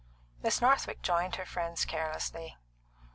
Miss Northwick joined her friends carelessly.